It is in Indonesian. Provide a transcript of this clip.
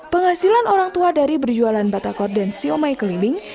penghasilan orang tua dari berjualan batakor dan siomay keliling